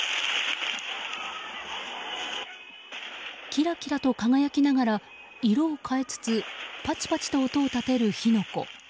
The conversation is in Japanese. キラキラと輝きながら色を変えつつパチパチと音を立てる火の粉。